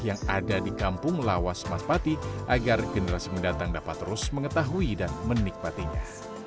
yang ada di kampung lawas mas pati agar generasi mendatang dapat terus mengetahui dan menikmatinya